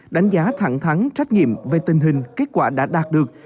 đánh giá thẳng thắng trách nhiệm về tình hình kết quả đã đạt được